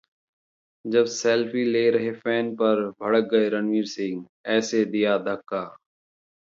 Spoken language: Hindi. जब सेल्फी ले रहे फैन पर भड़क गए रणवीर सिंह, ऐसे दिया धक्का